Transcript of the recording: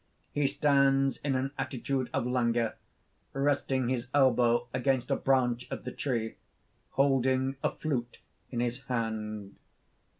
He stands in an attitude of languor, resting his elbow against a branch of the tree, holding a flute in his hand.